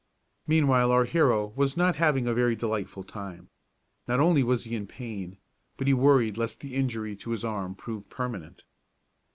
Meanwhile our hero was not having a very delightful time. Not only was he in pain, but he worried lest the injury to his arm prove permanent.